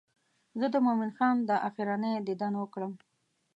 زه د مومن خان دا آخرنی دیدن وکړم.